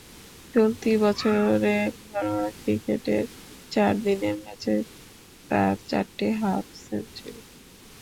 চলতি বছরে ঘরোয়া ক্রিকেটের চার দিনের ম্যাচে তাঁর চারটি হাফ সেঞ্চুরি।